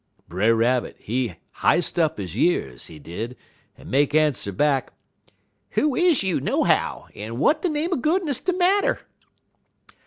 "Brer Rabbit, he h'ist up he years, he did, en make answer back: "'Who is you, nohow, en w'at de name er goodness de marter?'